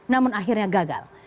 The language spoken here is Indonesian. namun akhirnya gagal